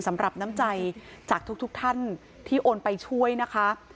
สำหรับน้ำใจจากทุกท่านที่โอนไปช่วยนะคะ